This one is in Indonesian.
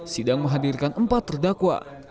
sidang menghadirkan empat terdakwa